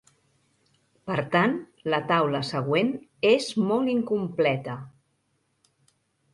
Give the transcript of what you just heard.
Per tant, la taula següent és molt incompleta.